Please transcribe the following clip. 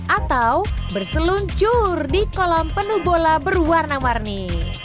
atau berseluncur di kolam penuh bola berwarna warni